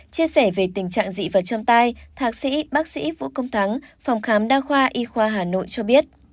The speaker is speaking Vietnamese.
chia sẻ về tình trạng dị vật châm tai thạc sĩ bác sĩ vũ công thắng phòng khám đa khoa y khoa hà nội cho biết